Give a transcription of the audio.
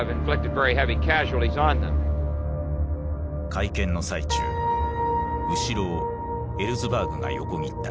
会見の最中後ろをエルズバーグが横切った。